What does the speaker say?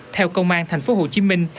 theo công an thành phố hồ chí minh